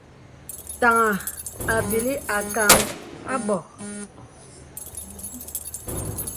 Taŋā à bìlī ākàŋ abɔ̄ŋ.